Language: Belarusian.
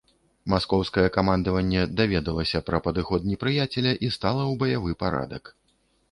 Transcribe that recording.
Маскоўскае камандаванне даведалася пра падыход непрыяцеля і стала ў баявы парадак.